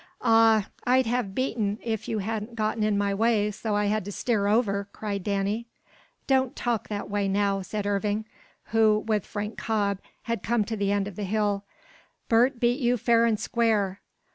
"Aw, I'd have beaten if you hadn't gotten in my way so I had to steer over," cried Danny. "Don't talk that way now," said Irving, who, with Frank Cobb had come to the end of the hill. "Bert beat you fair and square."